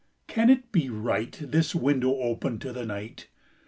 can it be right This window open to the night!